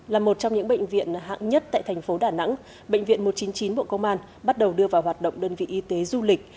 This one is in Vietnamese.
là một trong những bệnh viện hạng nhất tại thành phố đà nẵng bệnh viện một trăm chín mươi chín bộ công an bắt đầu đưa vào hoạt động đơn vị y tế du lịch